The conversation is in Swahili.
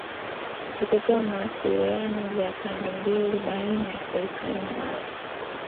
vitatoa mawasiliano ya pande mbili baina ya serikali na watu